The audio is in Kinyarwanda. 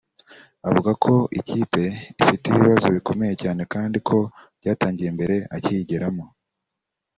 avuga ko ikipe ifite ibibazo bikomeye cyane kandi ko byatangiye mbere akiyigeramo